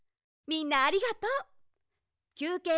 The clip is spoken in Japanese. みんなありがとう。